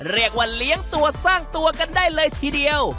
เรียกว่าเลี้ยงตัวสร้างตัวกันได้เลยทีเดียว